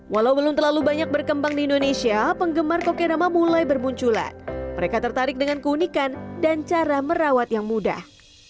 walau belum terlalu banyak berkembang di indonesia penggemar kokedama mulai bermunculan mereka tertarik dengan keunikan dan cara merawat yang mudah